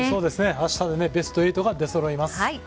あしたでベスト８が出そろいます。